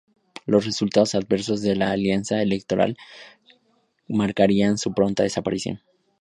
Los resultados adversos de la alianza electoral marcarían su pronta desaparición.